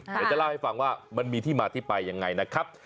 เดี๋ยวจะเล่าให้ฟังว่ามันมีที่มาที่ไปยังไงนะครับ